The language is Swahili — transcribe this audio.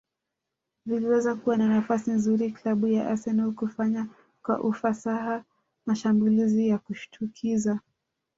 viliweza kuwa na nafasi nzuri klabu ya Arsenal kufanya kwa ufasaha mashambulizi ya kushtukiza